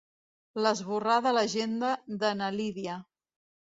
L'esborrà de l'agenda de na Lídia.